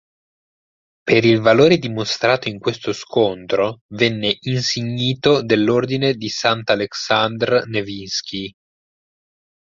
Per il valore dimostrato in questo scontro venne insignito dell'Ordine di Sant'Aleksandr Nevskij.